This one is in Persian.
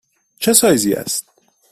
چه سایزی است؟